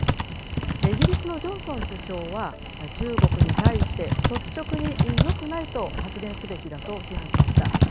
イギリスのジョンソン首相は、中国に対して率直によくないと発言すべきだと批判しました。